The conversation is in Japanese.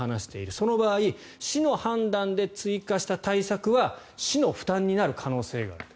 その場合、市の判断で追加した対策は市の負担になる可能性があると。